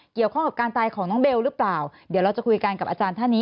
เกี่ยวข้องกับการตายของน้องเบลหรือเปล่าเดี๋ยวเราจะคุยกันกับอาจารย์ท่านนี้